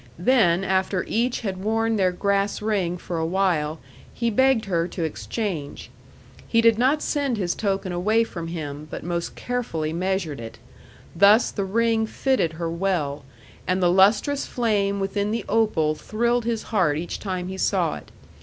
Then, after each had worn their grass ring for a while, he begged her to exchange. He did not send his token away from him, but most carefully measured it. Thus the ring fitted her well, and the lustrous flame within the opal thrilled his heart each time he saw it.